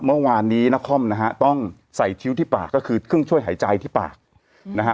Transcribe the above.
เมื่อวานนี้นครนะฮะต้องใส่คิ้วที่ปากก็คือเครื่องช่วยหายใจที่ปากนะฮะ